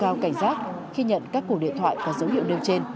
trong cuộc cảnh giác khi nhận các cuộc điện thoại và dấu hiệu nêu trên